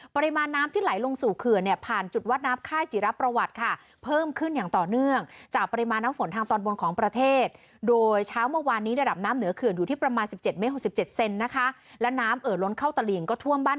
ปริมาณน้ำที่ไหลลงสู่เขื่อนเนี่ยผ่านจุดวาดน้ำค่ายจิระประวัติค่ะ